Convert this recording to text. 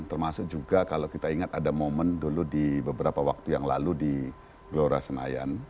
termasuk juga kalau kita ingat ada momen dulu di beberapa waktu yang lalu di gelora senayan